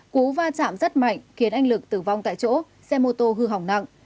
cú va chạm rất mạnh khiến anh lực tử vong tại chỗ xe mô tô hư hỏng nặng